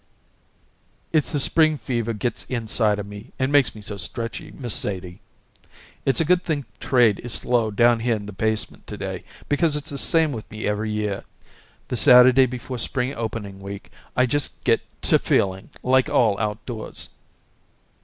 "It's the spring fever gets inside of me and makes me so stretchy, Miss Sadie. It's a good thing trade is slow down here in the basement to day, because it's the same with me every year; the Saturday before spring opening week I just get to feeling like all outdoors."